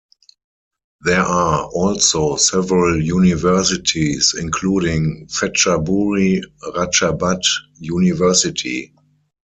There are also several universities including Phetchaburi Ratchabat University.